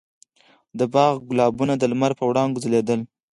د باغ ګلابونه د لمر په وړانګو کې ځلېدل.